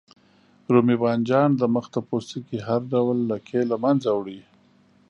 رومي بانجان د مخ د پوستکي هر ډول لکې له منځه وړي.